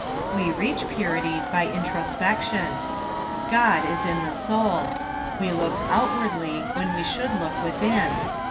We reach purity by introspection. God is in the soul. We look outwardly when we should look within.